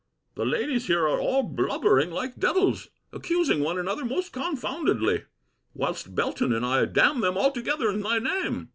The ladies here are all blubbering like devills, accusing one another most confoundedly: whilst Belton and I damn them all together in thy name.